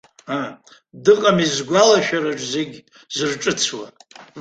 Дыҟами згәалашәараҿ зегь зырҿыцуа.